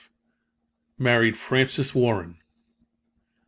Married Frances Warren.